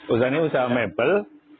usaha ini usaha mebel